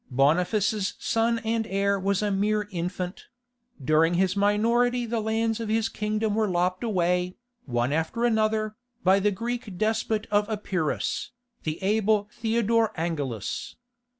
Boniface's son and heir was a mere infant; during his minority the lands of his kingdom were lopped away, one after another, by the Greek despot of Epirus, the able Theodore Angelus.